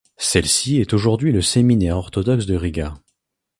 Celle-ci est aujourd'hui le séminaire orthodoxe de Riga.